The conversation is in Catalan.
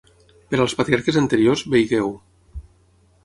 Per als patriarques anteriors, vegeu: